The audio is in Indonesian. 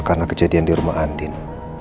karena kejadian di rumah andin